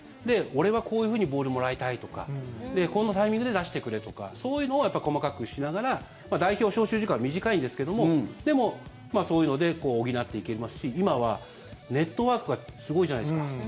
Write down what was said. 俺はこういうふうにボールもらいたいとかこのタイミングで出してくれとかそういうのを細かくしながら代表、招集時間短いんですけどもでも、そういうので補っていけますし今はネットワークがすごいじゃないですか。